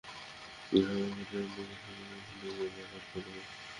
আর আমার কাছে যে আইডিয়া আছে, আমি সেগুলো ওখানে গিয়ে ব্যবহার করবো।